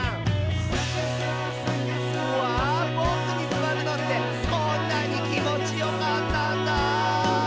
「うわボクにすわるのってこんなにきもちよかったんだ」